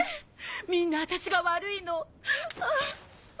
みんな私が悪いのあぁ。